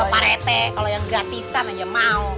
parete kalau yang gratisan aja mau